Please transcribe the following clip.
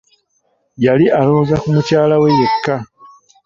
Yali aloowoza ku mukyala we yekka.